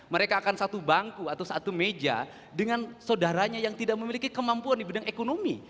mereka akan satu bangku atau satu meja dengan saudaranya yang tidak memiliki kemampuan di bidang ekonomi